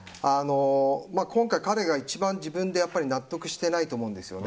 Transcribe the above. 今回、彼が一番自分で納得してないと思うんですよね。